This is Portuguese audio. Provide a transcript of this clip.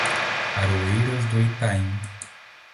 Aroeiras do Itaim